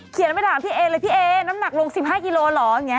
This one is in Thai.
ไปถามพี่เอเลยพี่เอน้ำหนักลง๑๕กิโลเหรออย่างนี้